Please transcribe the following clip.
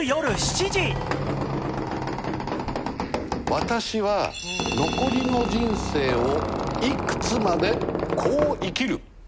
私は残りの人生をいくつまでこう生きる！